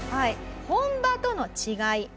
本場との違い。